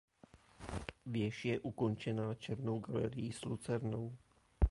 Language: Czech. Věž je ukončená černou galerií s lucernou.